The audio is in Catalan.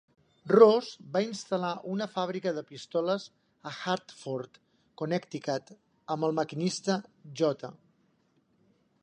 Ross va instal·lar una fàbrica de pistoles a Hartford, Connecticut, amb el maquinista J.